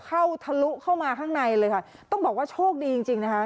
ทะลุเข้ามาข้างในเลยค่ะต้องบอกว่าโชคดีจริงจริงนะคะ